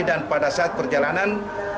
dan pada saat berjalan